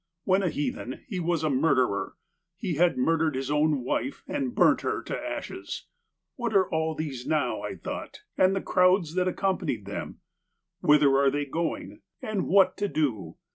When a heathen he was a murderer : he had murdered his own wife and burnt her to ashes. What are all these now, I thought, and the crowds that accompany them? Whither are they going ? And what to do